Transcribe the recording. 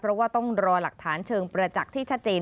เพราะว่าต้องรอหลักฐานเชิงประจักษ์ที่ชัดเจน